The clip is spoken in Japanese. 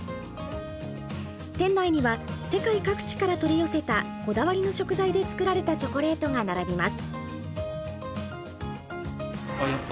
店内には世界各地から取り寄せたこだわりの食材で作られたチョコレートが並びます。